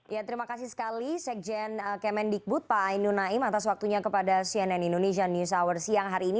ya terima kasih sekali sekjen kemendikbud pak ainu naim atas waktunya kepada cnn indonesia news hour siang hari ini